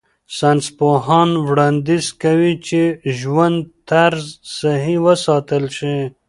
ساینسپوهان وړاندیز کوي چې ژوند طرز صحي وساتل شي.